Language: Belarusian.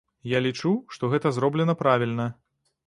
Я лічу, што гэта зроблена правільна.